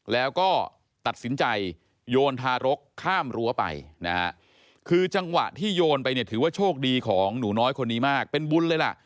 แล้วก็ตัดสินใจโยนทารกข้ามรั้วไปนะฮะคือจังหวะที่โยนไปเนี่ยถือว่าโชคดีของหนูน้อยคนนี้มากเป็นบุญเลยล่ะ